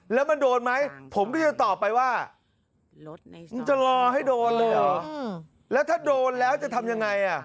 แล้วมันโดนไหมผมก็จะตอบไปว่ามันจะรอให้โดนเลยเหรอแล้วถ้าโดนแล้วจะทำยังไงอ่ะ